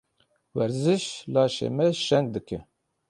Werzîş, laşê me şeng dike.